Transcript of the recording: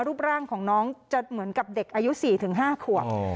รูปร่างของน้องจะเหมือนกับเด็กอายุ๔๕ขวบ